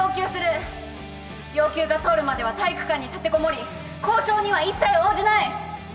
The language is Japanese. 要求が通るまでは体育館に立てこもり交渉には一切応じない！